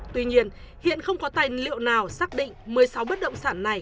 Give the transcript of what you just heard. tuy nhiên hiện không có tài liệu nào xác định một mươi sáu bất động sản này